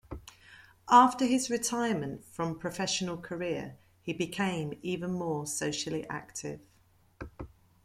After his retirement from professional career, he became even more socially active.